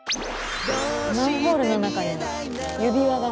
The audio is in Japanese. マンホールの中に指輪が。